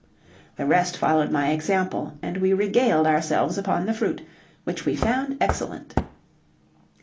The rest followed my example, and we regaled ourselves upon the fruit, which we found excellent.